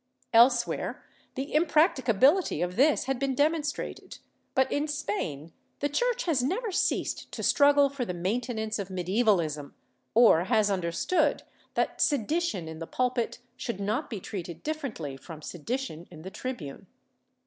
Elsewhere the impracticability of this had been demonstrated, but in Spain the Church has never ceased to struggle for the maintenance of medievalism, or has understood that sedition in the pulpit should not be treated differently from sedition in the tribune.